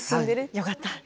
よかった。